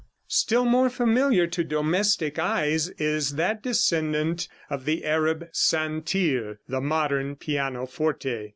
] Still more familiar to domestic eyes is that descendant of the Arab santir, the modern pianoforte.